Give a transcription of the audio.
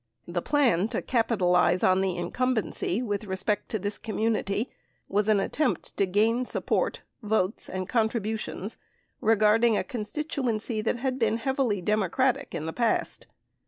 The plan to capitalize on the incumbency with respect to this community was an attempt to gain support, votes, and contributions regarding a constituency that had been "heavily Democratic in the past."